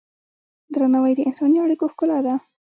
درناوی د انساني اړیکو ښکلا ده.